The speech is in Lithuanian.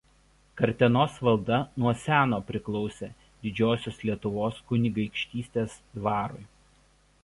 Kartenos valda nuo seno priklausė Didžiosios Lietuvos kunigaikštystės dvarui.